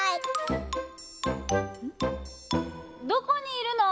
どこにいるの？